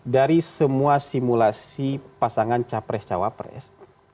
dari semua simulasi pasangan capres cawapres